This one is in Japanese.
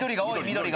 緑が。